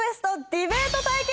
ディベート対決！